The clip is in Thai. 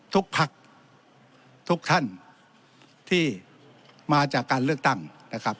ทุกพักทุกท่านที่มาจากการเลือกตั้งนะครับ